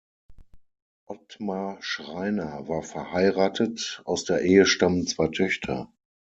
Ottmar Schreiner war verheiratet, aus der Ehe stammen zwei Töchter.